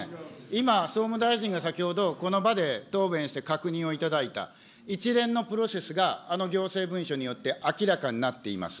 今、総務大臣が先ほどこの場で答弁して確認をいただいた一連のプロセスがあの行政文書によって明らかになっています。